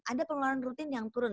ada pengeluaran rutin yang turun